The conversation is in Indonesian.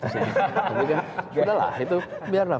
sudahlah itu biarlah